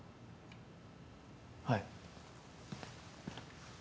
はい。